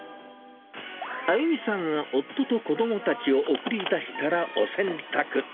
あゆみさんは夫と子どもたちを送り出したらお洗濯。